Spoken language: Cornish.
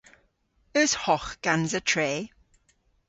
Eus hogh gansa tre?